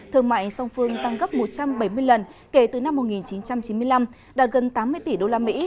thương mại song phương tăng gấp một trăm bảy mươi lần kể từ năm một nghìn chín trăm chín mươi năm đạt gần tám mươi tỷ usd